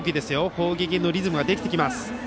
攻撃のリズムができてきます。